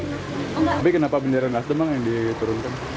tapi kenapa bendera nasdem bang yang diturunkan